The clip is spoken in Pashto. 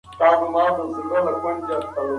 د خلکو د تجربو ارزښت مه کم کوه.